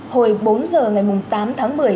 hồi bốn giờ ngày tám tháng một mươi